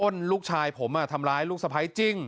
ลูกชายผมทำร้ายลูกสะพ้ายจริง